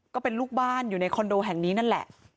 ก็เป็นลูกบ้านอยู่ในคอนโดแห่งนี้นั่นแหละ